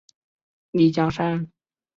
丽江杉